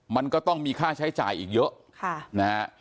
มันก็ต้องมีค่าใช้จ่ายอีกเยอะนะฮะ